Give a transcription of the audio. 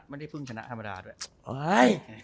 ไม่ได้ชนะธรรมดาด้วย